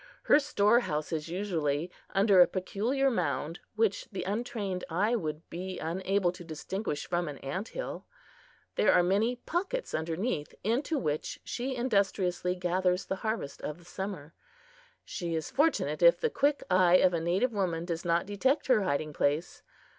Her storehouse is usually under a peculiar mound, which the untrained eye would be unable to distinguish from an ant hill. There are many pockets underneath, into which she industriously gathers the harvest of the summer. She is fortunate if the quick eye of a native woman does not detect her hiding place.